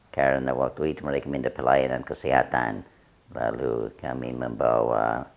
karena waktu itu mereka minta pelayanan kesehatan lalu kami membawa